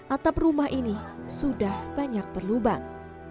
atap rumah ini sudah banyak berlubang